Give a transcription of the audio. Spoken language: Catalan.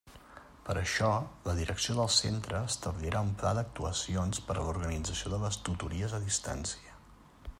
Per a això, la direcció del centre establirà un pla d'actuacions per a l'organització de les tutories a distància.